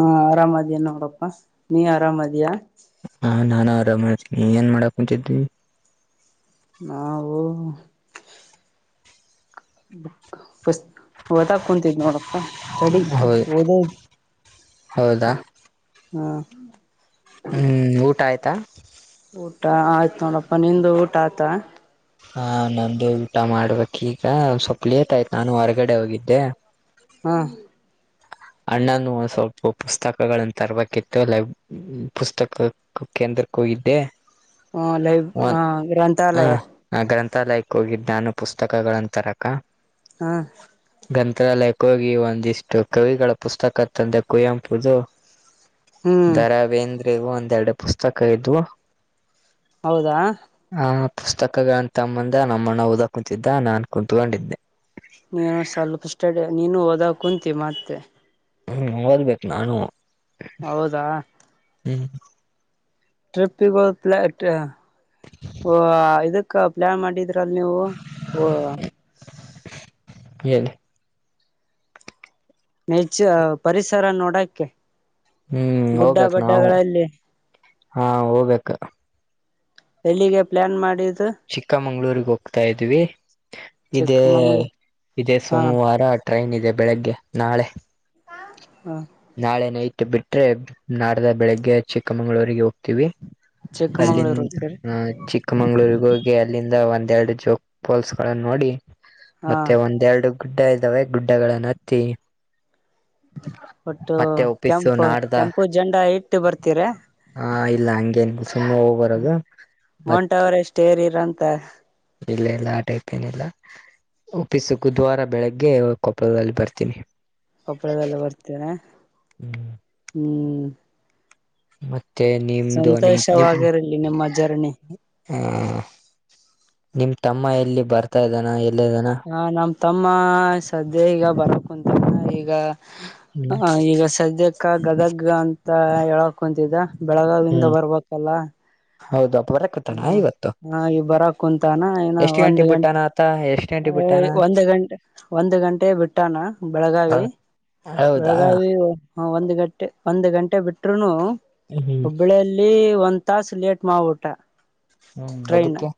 ಹಾ ಆರಾಮದಿಯ ನೋಡಪ್ಪಾ ನೀ ಆರಾಮದಿಯ. ಹಾ ನಾನು ಆರಾಮ್ ನೀ ಏನ್ ಮಾಡಾಕ್ ಕುಂತಿದಿ. ನಾವು. ಸ್ ಹೊದಾಗ ಕುೂಂತಿದ್ ನೋಡಪ್ಪ. ಸಡಿ ಹೌ ಹದದು ಹೌದಾ ಹಾ. ಹ್ಮ್ ಊಟ ಆಯ್ತಾ. ಊಟ ಆಯ್ತು ನೋಡಪ್ಪ ನಿಂದು ಊಟ ಆತ. ಹಾ ನಂದು ಊಟ ಮಾಡ್ಬೇಕಕ್ ಈಗ ಸ್ವಪ್ ಲೇತ ಆಯ್ತು ನಾನು ಹೊರಗಡೆ ಹೋಗಿದ್ದೆ. ಹ್ಮ ಅಣ್ಣನು ಸ್ವಲ್ಪ ಪುಸ್ತಕಗಳನ್ನು ತರ್ಬೇಕಿತ್ತು ಲ ಪುಸ್ತಕಕ್ಕೆಂದ್ರ ಕರ್ಕೋಗಿದ್ದೆ. ಹ್ಮ ಲೈ ಹ ಗ್ರಂಥಾಲಯ. ಲೈಕ್ ಹೋಗಿದ್ದ ನಾನು ಪುಸ್ತಕಗಳನ್ ತರಕ. ಹಾ ಗ್ರಂಥಾಲಯಕ್ಕೋಗಿ ಒಂದಿಷ್ಟು ಕವಿಗಳ ಪುಸ್ತಕ ತಂದೆ ಕುಯಂಪುದು. ಹ್ಮ್ ದರ ವೇಂದ್ರಿಗ ಒಂದೆರಡು ಪುಸ್ತಕ ಇದ್ವು. ಹೌದಾ. ಪುಸ್ತಕಗಳನ್ನ ತಂಬಂದ ನಮ್ಮ ಅಣ್ಣ ಓದ ಕುಂತಿದ್ದ ನಾನು ಕುಂತ್ಕೊಂಡಿದ್ದೆ ನೀನು ಸ್ವಲ್ಪ ಸ್ಟಡ ನೀನು ಹೋದಾಗ ಕುಂತೀ ಮತ್ತೆ ಹ್ಮ್ ಓದ್ಬೇಕು ನಾನು ಹೌದಾ ಹ್ಮ್ ಟ್ರಫಿಲ ಇಟ ಓ ಇದಕ್ಕ ಪ್ಲಾನ್ ಮಾಡಿದ್ರಲ್ ನೀವು ಓ ಏನೆ ನೇಚ ಪರಿಸರ ನೋಡಕ್ಕೆ ಹ್ಮ್ ಗುಡ್ಡ ಹೋಗ್ಬೇಕ್ ನಾವು ಬಡ್ಡಗಳಲ್ಲಿ ಹಾ ಹೋಗ್ಬೇಕ ಎಲ್ಲಿಗೆ ಪ್ಲಾನ್ ಮಾಡಿದ್ ಚಿಕ್ಕಮಂಗ್ಳೂರ್ಗ್ ಹೋಗ್ತಾ ಇದ್ವಿ ಇದೇ ಚಿಕ್ಕಮಂಗ್ಳೂರು ಇದೇ ಹಾ ಸೋಮವಾರ ಟ್ರೈನ್ ಇದೆ ಬೆಳಿಗ್ಗೆ ನಾಳೆ ಹಾ ನಾಳೆ ನೈಟ್ ಬಿಟ್ರೆ ನಾಡ್ದ ಬೆಳಿಗ್ಗೆ ಚಿಕ್ಕಮಗಳೂರಿಗೆ ಹೋಗ್ತೀವಿ ಚಿಕ್ಕಮಂಗ್ಳೂರು ಹೋಗ್ತೀರಿ ಅಲ್ಲಿಂದ ಚಿಕ್ಕಮಂಗಗಳೂರ್ಗ ಹೋಗಿ ಅಲ್ಲಿಂದ ಒಂದ ಒಂದ ಎರಡು ಜೋಕ್ ಪೋಲ್ಸ್ ಗಳನ್ನು ನೋಡಿ ಹಾ ಮತ್ತೆ ಒಂದೆರಡು ಗುಡ್ಡ ಇದ್ದಾವೆ ಗುಡ್ಡಗಳಗಳನ್ನು ಹತ್ತಿ ಮತ್ತೆ ಒಪ್ಪಿಸು ಕೆಂಪು ನಾಡ್ದ ಕೆಂಪು ಜಂಡ ಇಟ್ಟು ಬರ್ತೀರ ಹಾ ಇಲ್ಲ ಹಂಗಗೆನ್ ಸುಮ ಹೋಗ್ ಬರದು ಮೋಂಟ ಅವ್ರ ಎಷ್ಟು ಏರಿರಂತ ಇಲ್ಲ ಇಲ್ಲ ಆ ಟೈಪ್ ಏನಿಲ್ಲ ಒಫೀಸ ಬುಧವಾರ ಬೆಳಿಗ್ಗೆ ಕೊಪ್ಪಳದಲ್ಲಿ ಬರ್ತೀನಿ ಕೊಪ್ಪಳದೆಲ್ಲ ಬರ್ತೇರ ಹ್ಮ್ ಮತ್ತ ಮತ್ತೆ ನಿಮ್ದ ನಿಮ ನಿ ಸಂತೋಷವಾಗಿರಲಿ ನಿಮ್ಮ ಜರ್ನಿ ಹ ನಿಮ್ ತಮ್ಮ ಎಲ್ಲಿ ಬರ್ತಾ ಇದ್ದಾನ ಎಲ್ಲ ಇದಾನ ಹ ನಮ್ ತಮ್ಮ ಸದ್ಯ ಈಗ ಬರಕ್ ಕುಂತ ಈಗ ಹ್ಮ್ ಹ ಈಗ ಸದ್ಯಕ್ಕ ಗದಗ ಅಂತ ಹೇಳಕ್ ಕುಂತಿದ್ದ ಬೆಳಗಾವಿಂದ ಹ್ಮ್ ಬರ್ಬೇಕಲ್ಲ ಹೌದು ಅಪ್ಪ ಬರಕತಾನ ಹ್ಮ ಇವತ್ತು ಹಾಗೆ ಬರ ಕುಂತಾನ ಇನ ಎಷ್ಟು ಒಂದು್ ಗಂಟೆಗೆ ಗಂಟೆ ಬಿಟ್ಟಾನ ಆತ ಎಷ್ಟು ಗಂಟೆಗೆ ಬಿಟ್ಟಾನ ಒಂದು ಗಂಟೆ ಒಂದು ಗಂಟೆ ಬಿಟ್ಟಾನ ಬೆಳಗಾವಿ ಹೌದಾ ಬೆಳಗಾವಿ ಹ ಒಂದು್ ಗಂಟೆ ಒಂದು್ ಗಂಟೆ ಬಿಟ್ರು ಹ್ಮ್ ಹುಬ್ಬಳ್ಳಿಯಲ್ಲಿ ಒ ತಾಸು ಲೇಟ್ ಮಾ ಊಟಾ ಹ್ಮ್ ಎದಕ್ಕೆ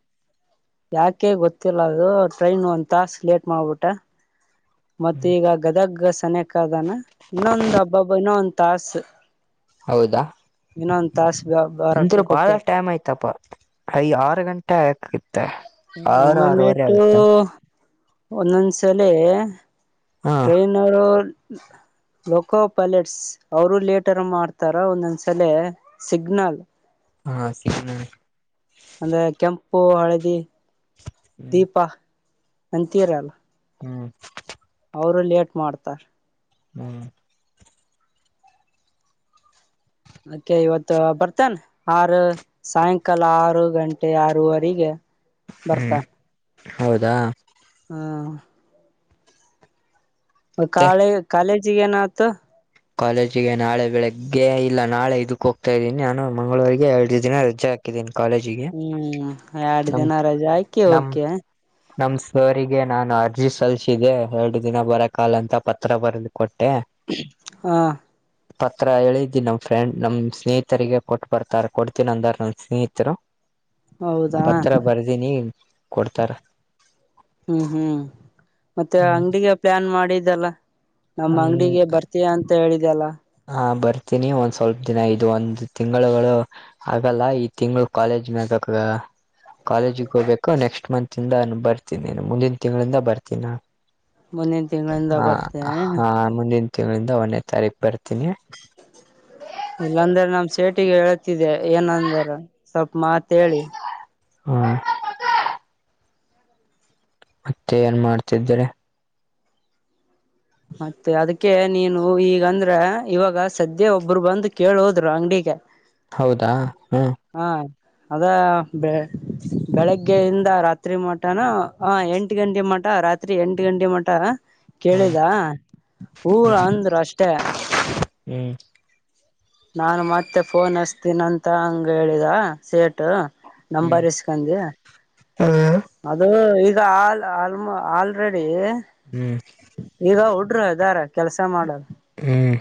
ಯಾಕೆ ಗೊತ್ತಿಲ್ಲ ಅದು ಟ್ರೈನ್ ಒಂದ್ ತಾಸ ಲೇಟ್ ಮಾಡ್ಬಿಟ್ಟ ಮತ್ತ ಈಗ ಗದಗ್ ಸನಯಕಾದನ ಇನ್ನೊಂದ್ ಹಬ್ಬ ಹಬ್ಬ ಇನ್ನೊ ಒಂದ್ ತಾಸ ಹೌದಾ ಇಏನ್ಂತಾಸ ಅಂದ್ರ ಬಾಳ ಟೈಮ್ ಆಯ್ತಪ್ಪ ಅಯ ಆರು ಗಂಟೆ ಆಕ ಉಮ್ಮಮೇಟ್ಟು ಒಂದೊಂದ್ಸಲ ಹಾ ಟ್ರೈನರು ಲೊಕೋ ಪೈಲಟ್ಸ್ ಅವರು ಲೇಟರ್ ಮಾಡ್ತಾರ ಒಂದೊಂದ್ಸಲ ಸಿಗ್ನಲ್ ಹಾ ಸಿನ್ ಅಂದ್ರೆ ಕೆಂಪು ಹಳದಿ ದೀಪ ಅಂತೀರಲ್ಲ ಹ್ಮ್ ಅವರು ಲೇಟ್ ಮಾಡ್ತಾರ ಹ್ಮ್ ಅಕೆ ಇವತ್ತು ಬರ್ತನ್ ಆರು ಸಾಯಂಕಾಲ ಆರು ಗಂಟೆ ಆರವರೆಗೆ ಹ್ಮ್ ಬರ್ತಾ ಹೌದಾ ಹಾ ಮತ್ತೆ ಕಾಳ ಕಾಾಲೇಜಿಗೆನಾತು ಕಾಲೇಜಿಗೆ ನಾಳೆ ಬೆಳಿಗ್ಗೆ ಇಲ್ಲ ನಾಳೆ ಇದಕ್ ಹೋಗ್ತಾ ಇದ್ದೀನಿ ನಾನು ಮಂಗಳವಾರಿಗೆ ಎರಡು ದಿನ ರಜೆ ಹಾಕಿದ್ದೀನಿ ಕಾಲೇಜಿಗೆ ಹ್ಮ್ ಎರಡು ನಮ್ ದಿನ ರಜೆ ಹಾಕಿ ನಮ್ ಹೊಕ್ಕಿಯ ನಮ್ ಸರ್ರಿಗೆ ನಾನು ಅರ್ಜಿ ಸಲ್ಲಿಸಿದ್ದೆ ಎರಡು ದಿನ ಬರಕಾಗಲ ಅಂತ ಪತ್ರ ಬರ್ದೆ ಹಾ ಪತ್ರ ಹೇಳಿದ್ದಿ ನಮ್ ಫ್ರೆಂಡ್ ನಮ್ ಸ್ನೇಹಿತರಿಗೆ ಕೊಟ್ ಬರ್ತಾರ ಕೊಡ್ತೀನ ಅಂದಾರ ನನ್ ಸ್ನೇಹಿತರು ಹೌದಾ ಪತ್ರ ಬರ್ದೀನಿ ಕೊಡ್ತಾರ ಹ್ಮ್ ಹ್ಮ್ ಮತ್ತೆ ಹ್ಮ್ ಅಂಗಡಿಗೆ ಪ್ಲಾನ್ ಮಾಡಿ ದೆಲ್ಲ ನಮ್ಮ್ ಹ್ಮ ಅಂಗಡಿಗೆ ಬರ್ತೀಯ ಅಂತ ಹೇಳಿದೆಲ್ಲ ಹ ಬರ್ತೀನಿ ಒಂದ್ ಸ್ವಲ್ಪ ದಿನ ಇದು ಒಂದು ತಿಂಗಳುಗಳು ಆಗಲ್ಲ ಈ ತಿಂಗಳು ಕಾಲೇಜ್ ಮಾಗ ಕಾ ಕಾಲೇಜಿಗೆ ಹೋಗಬೇಕು ನೆಕ್ಸ್ಟ್ ಮಂತ್ಂದ ನಾನು ಬರ್ತೀನಿ ಮುಂದಿನ ತಿಂಗಳಿಂದ ಬರ್ತೀನ್ ನಾನು ಮುಂದಿನ ತಿಂಗಳಿಂದ ಹಾ ಬರ್ತೆ ಹಾ ಮುಂದಿನ ತಿಂಗಳಿಂದ ಒಂದ್ನೇ ತಾರೀಕು ಬರ್ತೀನಿ ಇಲ್ಲಂದರೆ ನಮ್ ಸೆಟ್ ಒಟ್ಟಿಗೆ ಹೇಳ್ತಿದ್ದೆ ಏನಂದಾರ ಸ್ವಲ್ಪ ಮಾತ್ ಹೇಳಿ ಹಾ ಮತ್ತೆ ಏನ್ ಮಾಡ್ತಿದ್ದರೆ ಮತ್ತೆ ಅದಕ್ಕೆ ನೀನು ಈಗಂದ್ರ ಇವಾಗ ಸದ್ಯ ಒಬ್ಬರು ಬಂದು ಕೇಳೋದ್ರು ಅಂಗಡಿಗೆ ಹೌದಾ ಹ್ಮ ಹಾ ಅದ ಬೆ ಬೆಳಗ್ಗೆಯಿಂದ ರಾತ್ರಿ ಮಟಾನ ಆ ಎಂಟು ಗಂಟೆ ಮಾಡ್ ಟ ರಾತ್ರಿ ಎಂಟ್ ಗಂಟೆ ಮಟ ಹ್ಮ್ ದಾ ಊರ ಅಂದ್ರು ಅಷ್ಟೇ ಹ್ಮ್ ನಾನು ಮತ್ತೆ ಫೋನ್ ಹಚ್ಚತೀನಿ ಅಂತ ಹಂಗೆ ಹೇಳಿದ ಸರಿ ಟ್ ಹ್ಮ್ ನಂಬರ್ ಇಸ್ಕಂದಿ ಹ್ಮ್ ಅದು ಈಗ ಆ ಆಲ್ಮ ಆಲ್ರೆಡಿ ಹ್ಮ್ ಈಗ ಉ ಟ್ರ ಇದಾರೆ ಕೆಲ್ಸ ಮಾಡೋರು ಹ್ಮ್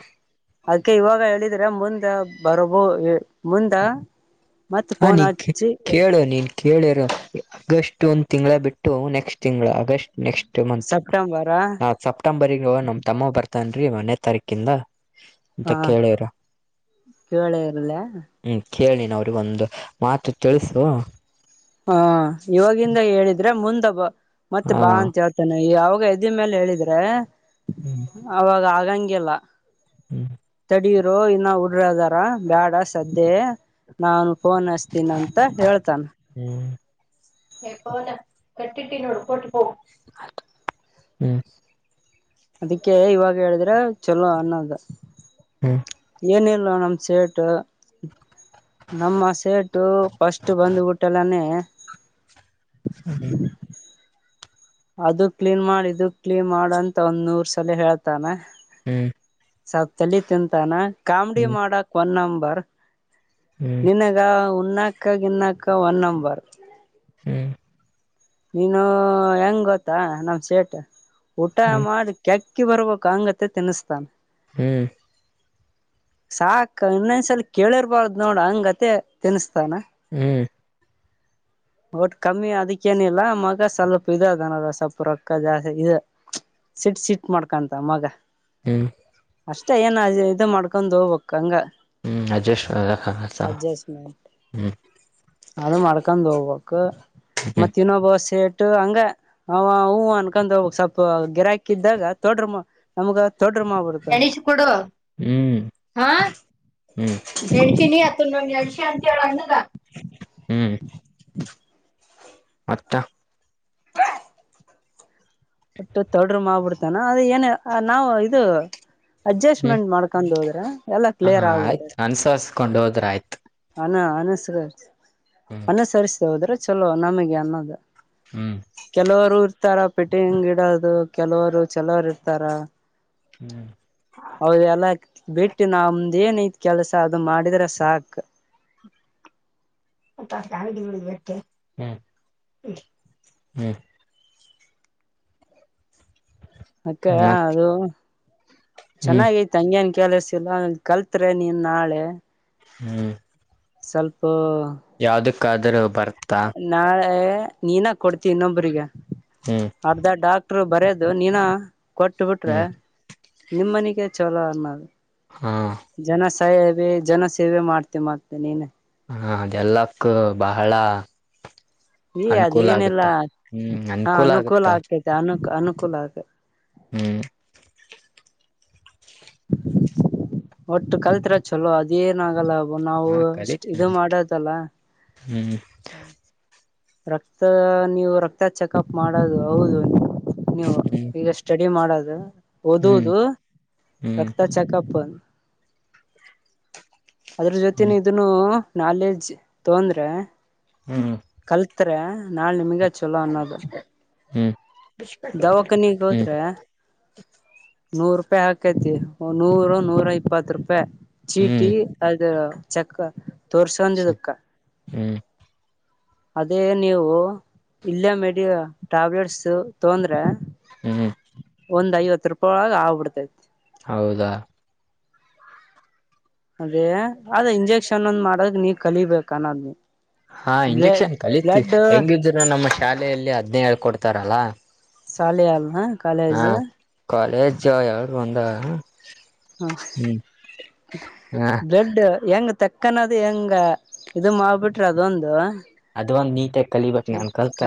ಅದ್ಕೆ ಇವಾಗ ಹೇಳಿದ್ರೆ ಮುಂದ ಬರೋಬೋ ಮುಂದ ಮತ್ತ ಹಾ ಫೋನ್ ನೀ ಹಚ್ಚಿ ಕೇಳು ನೀನ್ ಕೆ ಕೇಳಿರು ಅಗಸ್ಟ್ ಒಂದು ತಿಂಗಳ ಬಿಟ್ಟು ನೆಕ್ಸ್ಟ್ ತಿಂಗಳು ಆಗಸ್ಟ್ ನೆಕ್ಸ್ಟ್ ಮಂತ್ ಸೆಪ್ಟೆಂಬರ ನಾ ಸೆಪ್ಟೆಂಬರ್ಗ ನಮ್ಮ ತಮ್ಮ ಬರ್ತನ್ರಿ ಒನ್ನೇ ತಾರೀಕಿಂದ ಅಂತ ಹ ಕೇಳಿರು ಕೇಳ ಇರ್ಲ ಹ್ಮ ಕೇಳ್ ನೀನು ಅವ್ರಿಗೆ ಒಂದು ಮಾತು ತಿಳಿಸು ಹಾ ಇವಾಗಿಂದ ಹೇಳಿದ್ರೆ ಮುಂದ ಬ ಹ ಮತ್ತೆ ಬಾ ಅಂತ ಹೇಳ್ತೇನೆ ಯಾವಾಗ ಇದ ಮೇಲೆ ಹೇಳಿದ್ರೆ ಹ್ಮ್ ಅವಾಗ ಆಗಂಗಿಲ್ಲ ಹ್ಮ್ ಹಡೀರು ಇನ್ನ ಉಡ್ರದಾರ ಬೇಡ ಸದ್ದೆ ನಾನು ಫೋನ್ ಹಚ್ಚ್ತಿನ್ ಅಂತ ಹೇಳ್ತಾನ ಎ ಪವನ ಕಟ್ಟಿಟ್ಟನ್ನೋಡುಟ್ಟ [unintelligible] ಹ್ಮ್ ಅದಕ್ಕೆ ಇವಾಗ ಹೇಳಿದ್ರೆ ಚಲೋ ಅನ್ನದ ಹ್ಮ್ ಏನ್ ಹೇಳ್ ನಮ್ಮ್ ಸೇಟು ನಮ್ಮ ಸೇಟು ಫಸ್ಟ್ ಬಂದ್ಬುಟ್ಟಲ್ಲಾನೇ ಹ್ಮ ಅದು ಕ್ಲೀನ್ ಮಾಡ್ ಇದು ಕ್ಲೀನ್ ಮಾಡ್ ಅಂತ ಒಂದ್ ನೂರ್ ಸಲಿ ಹೇಳ್ತಾನೆ ಹ್ಮ್ ಸ್ವಲ್ಪ್ ತಲೆ ತಿಂತಾನ ಕಾಮಿಡಿ ಹ್ಮ್ ಮಾಡಕ್ ಒಂದ ನಂಬರ್ ಹ್ಮ್ ನಿನಗ ಉನ್ನಾಕ ಗಿನ್ನಾಕ ಒನ್ ನಂಬರ್. ಹ್ಮ್ ನೀನು ಹೆಂಗ್ ಗೊತ್ತಾ ನಮ್ ಸೇಟ್ ಊಟ ಮಾಡ್ ಕೆಕ್ ಅಕ್ಕಿ ಬರ್ಬೇಕ್ ಅಂಗತೆ ತಿನ್ನಿಸ್ತಾ. ಹ್ಮ್ ಸಾಕ ಇನ್ನೊಂದ್ಸಲ್ ಕೇಳಿರ್ಬಾರ್ದ್ ನೋಡ ಹಂಗತೆ ತಿನ್ಸತಾನ. ಹ್ಮ್ ಒಟ್ ಕಮ್ಮಿ ಅದಕ್ಕೇನ ಇಲ್ಲ ಮಗ ಸ್ವಲ್ಪ ಇ ಅದನಲ್ ಸ್ವಪು ರೊಕ್ಕ ಜಾಸ್ತಿ ಇದ ಮ್ಚ. ಸಿಟ್ ಸಿಟ್ ಮಾಡ್ಕಂತ ಮಗ. ಹ್ಮ್ ಅಷ್ಟೇ ಏನ್ ಇದು ಮಾಡ್ಕೊಂಡ್ ಹೋಗ್ಬೇಕ್ ಹಂಗ. ಹ್ಮ್ ಅಡ್ಜಸ್ಟ್ ಅಡ್ಜಸ್ಟ್ಮೆಂಟ್ ಹ್ಮ್ ಅದು ಮಡಕನ್ ಹೋಗ್ಬೇಕ್. ಕ ಹ್ಮ್ ಮತ್ ಇನೋಬ ಸೇಟ್ ಟ ಹಂಗ ಅವ ಹೂ ಅನ್ಕೊಂಡ್ ಸ್ವಲ್ಪ ಗಿರಾಕಿ ಇದಾಗ ತೊಡ್ರ ನಮ್ಗ. ತೊಡ್ರ ಮಾಡ್ಬಿಡ್ತಾನ ಎಣಿಶ್ ಕೊಡು ಹ್ಮ್ ಹ ಹ್ಮ್ ಎಣ್ಶಿನೀ ಆತ ನಮ್ ಎಣ್ಶಿ ಅಂತ ಹೇಳ ಅಂಗದ. ಹ ಮತ್ತ ಒಟ್ಟು ತೊಡ್ರು ಮಾಡ್ಬಿಡ್ತಾನ ಅದ್ ಏನ ನಾವು ಇದು. ಅಡ್ಜಸ್ಟ್ಮೆಂಟ್ ಮಾಡ್ಕೊಂಡ್ ಹೋದ್ರೆ. ಹ ಆಯ್ತು ಅನ್ಸರಿಸ್ಕೊಂಡ್ ಹೋದ್ರ ಆಯ್ತು. ಹನ ಅನಸ್ರಸ್ ಅನುಸರಿಸ್ತ ಹೋದ್ರೆ ಚಲೋ ನಮಿಗೆ ಅನ್ನದ. ಹ್ಮ್ ಹ್ಮ್ ಕೆಲವ್ರು ಇರ್ತಾರ ಪಿಟಿಂಗಿಡೋದು ಕೆಲವ್ರು ಚಲೋರು ಇರ್ತಾರ. ಹ್ಮ್ ಹೌದು ಎಲ್ಲಕ್ ಬಿಟ್ಟಿ ನಮ್ದ್ ಏನ್ ಐತ್ ಕೆಲ್ಸ ಅದು ಮಾಡಿದ್ರೆ ಸಾಕ್. [unintelligible] ಹ್ಮ್ ಹ್ಮ್ ಅಕ್ಕ ಮತ್ ಅದು ಹ್ಮ್ ಚೆನ್ನಾಗ್ ಐತ್ ಹಂಗ್ಯನ್ ಕೆಲಸಿಲ್ಲ ಕಲ್ತ್ರೆ ನೀನ್ ನಾಳೆ. ಹ್ಮ್ ಸ್ವಲ್ಪ ಯಾವ್ದಕ್ಕಾದ್ರೂ ಬರ್ತಾ ನಾಳೆ. ನೀನಾ ಕೊಡ್ತಿ ಇನ್ನೊಬ್ಬ್ರಿಗೆ ಹ್ಮ್ ಅರ್ಧ ಡಾಕ್ಟರ್ ಬರೆದು ನೀನಾ. ಕೊಟ್ ಬಿಟ್ರೆ ಹ್ಮ್ ನಿಮ್ಮನಿಗೆ ಚಲೋ ಅನ್ನೋದ್. ಹಾ ಸೈ ವೆ ಜನ ಸೇವೆ ಮಾಡ್ತೇ ಮತ್ ನೀನ. ಹಾ ಅದೆಲ್ಲಕ್ಕ ಬಹಳ. ಏ ಅದೇ ಅನುಕೂಲ ಏನೆಲ್ಲ ಆಗುತ್ತ ಹ್ಮ್ ಹಾ ಅನುಕೂಲ ಆಗುತ್ತ ಆಗ್ತೈತೆ ಅನು ಅನುಕೂಲ ಆಗ್. ಹ್ಮ್ ಒಟ್ಟು ಕಲ್ತಿರ ಚಲೋ ಅದ್ ಏನ್ ಆಗಲ್ಲ ಅ ಹಾ ಕಲಿ ನಾವುಷ್ಟ ಇದು ಮಾಡದಲ್ಲ. ಹ್ಮ್ ರಕ್ತ ನೀವು ರಕ್ತ ಚೆಕಪ್ ಮಾಡೋದು ಹೌದು. ನೀವು ಹ್ಮ್ ಈಗ ಸ್ಟಡಿ ಮಾಡದು. ಹ್ಮ್ ಓದುವುದು ಹ್ಮ್ ರಕ್ತ ಚೆಕಪ್. ಅದ್ರ ಜೊತೆನೆ ಹ್ಮ್ ಇದನ್ನು ನಾಲೆಜ್ ತೊಂದ್ರೆ. ಹ್ಮ ಕಲ್ತ್ರೆ ನಾಳ್ ನಿಮಗೆ ಚಲೋ ಅನ್ನೋದು. ಹ್ಮ್ ದವಾಖನಿಗ್ ಹ್ಮ್ ಹೋದ್ರ. ನೂರ್ ರೂಪಾಯ್ ಹಾಕೈತಿ ನೂರು ನೂರ ಇಪ್ಪತ್ ರೂಪಾಯ್ ಚೀಟಿ ಅದು. ಚಕ್ಕ ತೋರ್ಸೊಂದಿದಕ್ಕ. ಹ್ಮ್ ಅದೇ ನೀವು ಇಲ್ಲೇ ಮೆಡಿ ಟ್ಯಾಬ್ಲೆಟ್ಸ್ ತೊಂದ್ರೆ. ಹ್ಮ್ ಒಂದ್ ಐವತ್ ರೂಪಾಯ್ ಒಳಗ್ ಆಗ್ಬಿಡ್ತೈತಿ. ಹೌದಾ ಅದೇ ಅದ್ ಇಂಜೆಕ್ಷನ್ ಒಂದ್ ಮಾಡದ ನೀ ಕಲಿಬೇಕು ಅನ್ನೋದ್ನ. ಹಾ ಇಂಜೆಕ್ಷನ್ ಕಲಿತೀವಿ ಹೆಂಗಿದ್ರು ನಮ್ಮ ಶಾಲೆಯಲ್ಲಿ ಹದ್ನೇ ಹೇಳ್ ಕೊಡ್ತಾರಲ್ಲಾ ಸಾಲೆ ಹಾ ಕಾಲೇಜ್ ಯಾವರು ಒಂದ ಹಾ ಹ್ಮ್ ಹ ಬ್ಲಡ್ ಹೆಂಗ್ ತಕ್ಕನದು ಹೆಂಗ ಇದು ಮಾಡಿಬಿಟ್ರೆ ಅದೊಂದು. ಫೋನು ನಿತೆ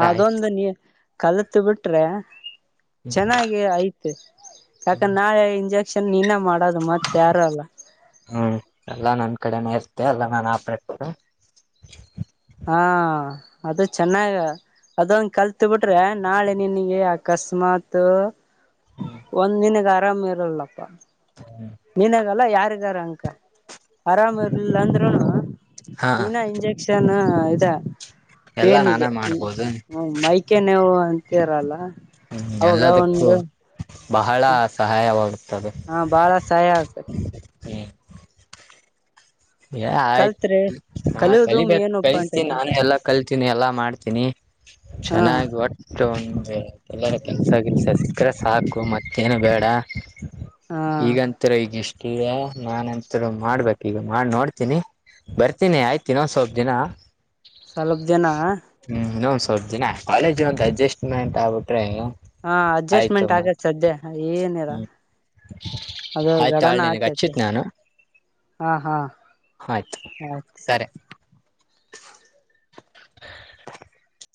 ಅದೊಂದು ನೀ ಕಲತ್ ಬಿಟ್ರೆ. ಚೆನ್ನಾಗಿ ಆಯ್ತು ಯಾಕಂದೆ ನಾಳೆ ಇಂಜೆ. ಸುಮ್ನೆ ನೀನೇ ಮಾಡೋದು ಮತ್ತೆ ಯಾರು ಅಲ್ಲ. ಹ್ಮ್ ಎಲ್ಲಾ ನನ್ ಕಡೆನ ಇರ್ತ ಎಲ್ಲಾ ನಾ ಆಪ. ಹಾ ಅದು ಚೆನ್ನಾಗ ಅದೊಂದು ಕಲ್ತ್ ಬಿಟ್ರೆ ನಾಳೆ ನಿನಗೆ ಅಕಸ್ಮಾತ್, ಒಂದ್ ದಿನ ಆರಾಮ್ ಇರಲ್ಲಪ್ಪ. ನೀನಗೆಲ್ಲ ಯಾರಿದರು ಅನ್ಕೋ ಆರಾಮ ಇರರ್ಲಿಲ್ಲ ಅಂದ್ರುನು. ಹಾ ನೀನಾ ಇಂಜೆಕ್ಷನ್ ಇದ ಎಲ್ಲಾ ನಾನೇ ಪೋನಿಗೆ ಮಾಡ್ಬೋದು ಹ್ಮ ಮೈಕೈ ನೋವು ಅಂತರಲ್ಲ. ಹ್ಮ್ ಎಲ್ಲದಕ್ಕೂ ಬಹಳ ಸಹಾಯವಾಗುತ್ತೆ ಹಾ ಬಹಳ ಸಹಾಯ ಆಗತತಿ ಹ್ಮ ಏ ಆಯ್ತು ಕಲ್ತ್ರಿ ಹಾ ಕಲಿಯೋದು ಕಲಿಬೇಕು ಮೇನ್ ಒಪ್ಪ ಕಲುಸ್ಥಿತಿನಿ ಅಂಟೈತೆ ನಾನೇ ಎಲ್ಲಾ ಕಲ್ತೀನಿ ಎಲ್ಲಾ ಮಾಡ್ತೀನಿ. ಹಾ ಚೆನ್ನಾಗಿ ಒಟ್ಟು ಒಂದು ಎಲ್ಲಾದ್ರೂ ಕೆಲ್ಸ ಕೆಲ್ಸ ಸಿಕ್ಕರೆ ಸಾಕು ಮತ್ತೆ. ಏನು ಬೇಡ ಹಾ ಈಗಂತರು ಈಗ ಇಷ್ಟದೆ ನಾನಂತರು ಮಾಡ್ಬೇಕ ಈಗ ಮಾಡ ನೋಡ್ತೀನಿ ಬರ್ತೀನಿ ಆಯ್ತ ಇನ್ನೊಂದ ಸ್ವಲ್ಪ ದಿನ. ಸ್ವಲ್ಪ ದಿನ ಹ್ಮ್ ಇನ್ನೊಂದ್ ಸ್ವಲ್ಪ ದಿನ ಕಾಲೇಜ್ ಒಂದು ಅಡ್ಜಸ್ಟ್ಮೆಂಟ್ ಹಾಕ್ಬಿಟ್ರೇನೋ. ಹಾ ಅಡ್ಜಸ್ಟ್ಮೆಂಟ್ ಆಗ್ಬೇಕು ಸದ್ಯ ಏನಿಲಾ. ಹ್ಮ್ ಅದು ಆಯ್ತು ಗಡನ ಆಳ್ ನಿನಗೆ ಆತೈತೆ ಹಚ್ಚಿತ್ ನಾನು ಹಾ ಹಾ ಆಯ್ತು ಆಯ್ತು ಕರೆ [inaudible]